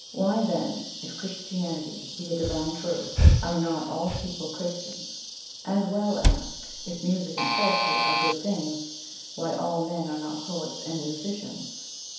"Why then, if Christianity be a Divine Truth, are not all people Christians? As well ask, if music and poetry are good things, why all men are not poets and musicians.